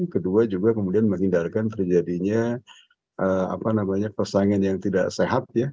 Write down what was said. kedua juga kemudian menghindarkan terjadinya apa namanya persaingan yang tidak sehat ya